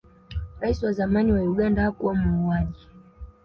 rais wa zamani wa uganda hakuwa muuaji